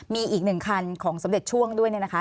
มีอีกหนึ่งคันของสมเด็จช่วงด้วยเนี่ยนะคะ